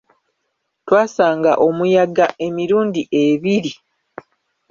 Twasanga omuyaga emirundi ebiri.